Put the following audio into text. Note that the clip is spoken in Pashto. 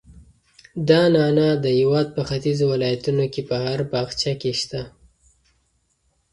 دا نعناع د هېواد په ختیځو ولایتونو کې په هر باغچه کې شته.